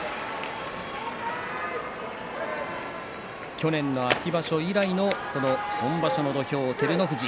去年の秋場所以来のこの本場所の土俵、照ノ富士。